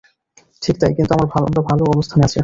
ঠিক তাই, কিন্তু আমরা ভালো অবস্থানে আছি।